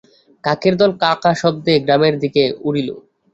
কাকের দল কা কা শব্দে গ্রামের দিকে উড়িল।